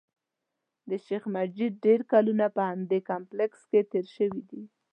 د شیخ مجید ډېر کلونه په همدې کمپلېکس کې تېر شوي دي.